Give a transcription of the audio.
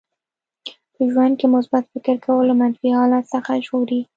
په ژوند کې مثبت فکر کول له منفي حالت څخه وژغوري.